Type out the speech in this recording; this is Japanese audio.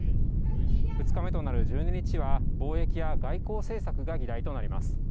２日目となる１２日は、貿易や外交政策が議題となります。